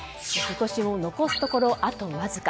今年も残すところ、あとわずか。